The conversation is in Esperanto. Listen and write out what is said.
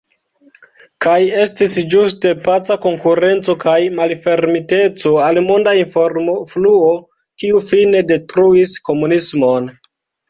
Kaj estis ĝuste paca konkurenco kaj malfermiteco al monda informofluo, kiuj fine detruis komunismon.